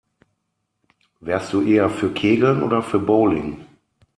Wärst du eher für Kegeln oder für Bowling?